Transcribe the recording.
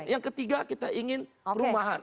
yang ketiga kita ingin perumahan